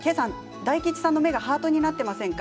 大吉さんの目がハートになっていませんか？